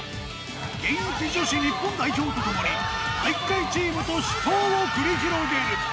現役女子日本代表とともに体育会チームと死闘を繰り広げる！